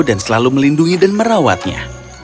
dan selalu melindungi dan merawatnya